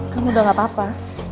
kan udah gak apa apa